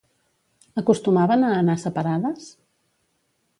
Acostumaven a anar separades?